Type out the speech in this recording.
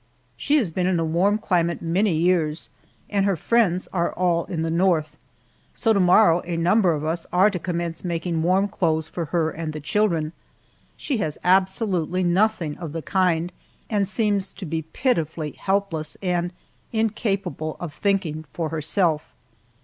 She has been in a warm climate many years, and her friends are all in the North, so to morrow a number of us are to commence making warm clothing for her and the children. She has absolutely nothing of the kind, and seems to be pitifully helpless and incapable of thinking for herself.